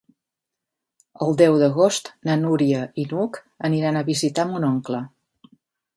El deu d'agost na Núria i n'Hug aniran a visitar mon oncle.